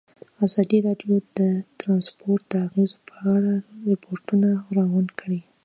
ازادي راډیو د ترانسپورټ د اغېزو په اړه ریپوټونه راغونډ کړي.